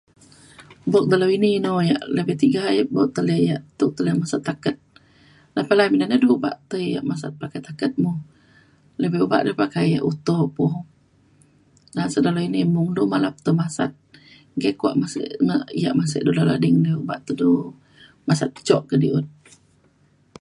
buk dalau ini inu yak lebih tiga buk te le yak maset taket. na palai na na du yak palai tai yak palai masat taket mung. lebih obak da yak pakai utop mo na sek dalau ini mung du malap tai masat enggei kuak ma sek ngak ma sek dalau ading ni obak te du masat jok kedi’ut